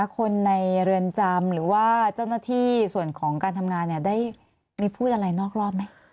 คนในเรือนจำหรือว่าเจ้าหน้าที่ส่วนของการทำงานได้มีพูดอะไรนอกรอบไหม